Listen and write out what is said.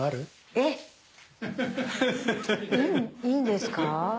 えっいいんですか？